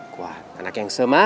kuat anak yang semah